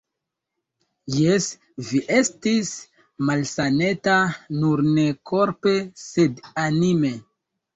Jes, vi estis malsaneta, nur ne korpe, sed anime.